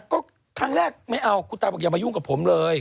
ก็ครั้งแรกไม่เอาคุณตาบอกอย่ามายุ่งกับผมเลย